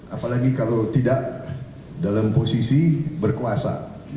apalagi kalau tidak dalam posisi berkuasa